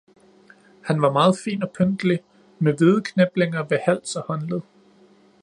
Han var meget fin og pyntelig med hvide kniplinger ved hals og håndled